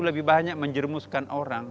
lebih banyak menjermuskan orang